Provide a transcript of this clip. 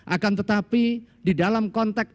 akan tetapi di dalam konteks